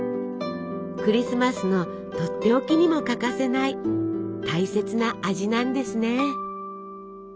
クリスマスのとっておきにも欠かせない大切な味なんですね。